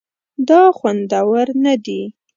دا خوندور نه دي